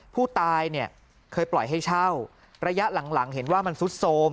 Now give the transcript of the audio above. ผู้ตายเนี่ยเคยปล่อยให้เช่าระยะหลังเห็นว่ามันซุดโทรม